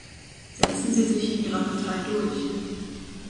Setzen Sie sich in Ihrer Partei durch!